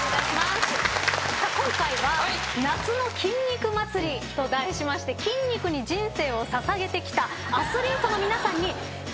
今回は夏の筋肉祭りと題しまして筋肉に人生を捧げてきたアスリートの皆さんに。